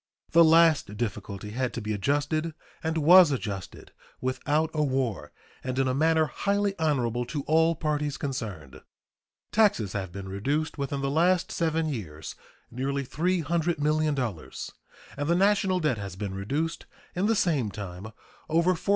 The last difficulty had to be adjusted, and was adjusted without a war and in a manner highly honorable to all parties concerned. Taxes have been reduced within the last seven years nearly $300,000,000, and the national debt has been reduced in the same time over $435,000,000.